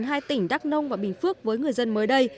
hai tỉnh đắk nông và bình phước với người dân mới đây